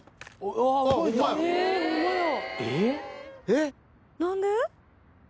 えっ？何で？